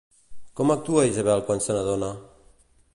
Com actua Isabel quan se n'adona?